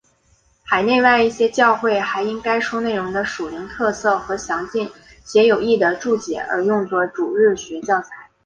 海内外一些教会还因该书内容的属灵特色和详尽且有益的注解而用作主日学教材。